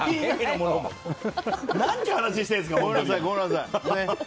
何て話してるんですか！